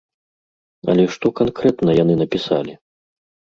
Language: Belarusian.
Але што канкрэтна яны напісалі?